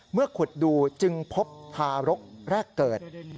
ขุดดูจึงพบทารกแรกเกิด